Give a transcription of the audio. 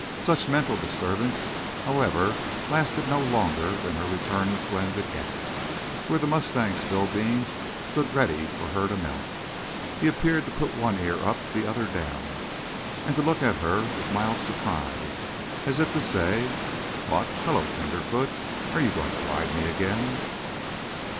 Such mental disturbance, however, lasted no longer than her return with Glenn to camp, where the mustang Spillbeans stood ready for her to mount. He appeared to put one ear up, the other down, and to look at her with mild surprise, as if to say: "What—hello—tenderfoot! Are you going to ride me again?"